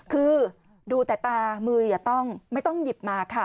คือดูแต่ตามืออย่าต้องไม่ต้องหยิบมาค่ะ